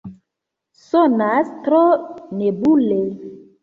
Sonas tro nebule.